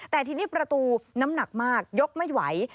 แต่ทีนี้ประตูน้ำหนักมากยกไม่ไหว